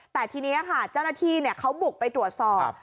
แต่ทีนี้ค่ะเจ้าหน้าที่เขาบุกไปตรวจสอบ